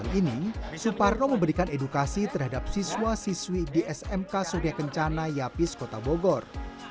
kali ini suparno memberikan edukasi terhadap siswa siswi di smk surya kencana yapis kota bogor